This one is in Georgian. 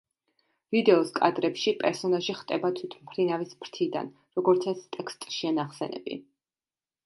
ვიდეოს კადრებში პერსონაჟი ხტება თვითმფრინავის ფრთიდან, როგორც ეს ტექსტშია ნახსენები.